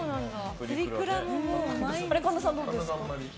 神田さん、どうですか？